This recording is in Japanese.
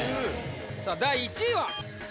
さあ第１位は。